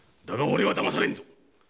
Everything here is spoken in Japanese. だがオレはだまされんぞ。